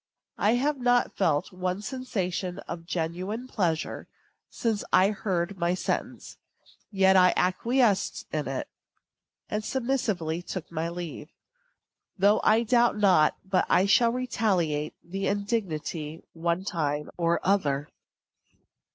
I have not felt one sensation of genuine pleasure since I heard my sentence; yet I acquiesced in it, and submissively took my leave; though I doubt not but I shall retaliate the indignity one time or other.